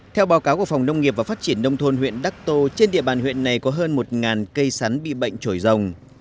theo báo cáo của phòng nông nghiệp và phát triển nông thôn huyện đắc tô trên địa bàn huyện này có hơn một cây sắn bị bệnh trồi rồng